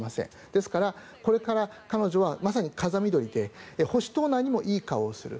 ですから、これから彼女はまさに風見鶏で保守党内にもいい顔をする。